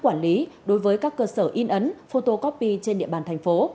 quản lý đối với các cơ sở in ấn photocopy trên địa bàn thành phố